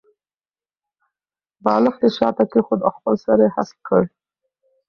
بالښت یې شاته کېښود او خپل سر یې هسک کړ.